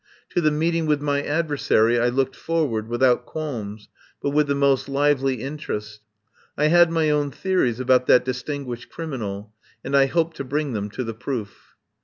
To the meeting with my adversary I looked forward without qualms, but with the most lively interest. I had my own theories about that distinguished criminal, and I hoped to bring them to the proof.